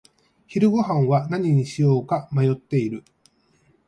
昼ごはんは何にしようか迷っている。